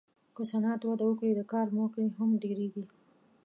که صنعت وده وکړي، د کار موقعې هم ډېرېږي.